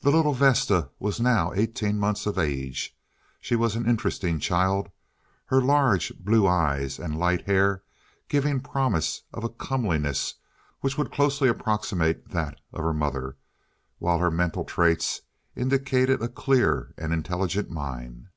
The little Vesta was now eighteen months of age; she was an interesting child; her large, blue eyes and light hair giving promise of a comeliness which would closely approximate that of her mother, while her mential traits indicated a clear and intelligent mind.